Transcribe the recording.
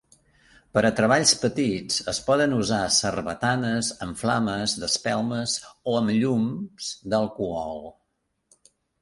Per a treballs petits, es poden usar sarbatanes amb flames d'espelmes o amb llums d'alcohol.